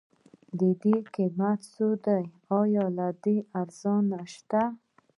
ددې قيمت څو دی؟ ايا له دې ارزان شته؟